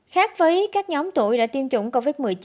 khác với các nhóm tuổi đã tiêm chủng covid một mươi chín